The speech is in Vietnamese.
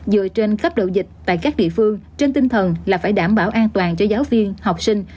dựa trên cấp độ dịch tại các địa phương trên tinh thần là phải đảm bảo an toàn cho giáo viên học sinh